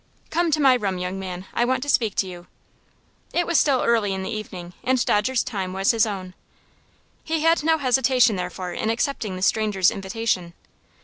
"Come to my room, young man; I want to speak to you." It was still early in the evening, and Dodger's time was his own. He had no hesitation, therefore, in accepting the stranger's invitation.